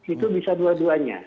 itu bisa dua duanya